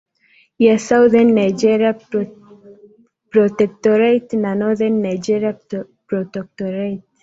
ya Southern Nigeria Protectorate na Northern Nigeria Protectorate